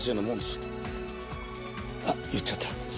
あっ言っちゃった。